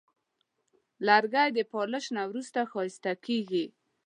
لرګی د پالش نه وروسته ښایسته کېږي.